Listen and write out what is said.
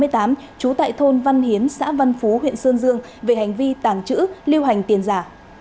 trú tại thôn văn hiến xã văn phú huyện sơn dương về hành vi tàng trữ lưu hành tiền giả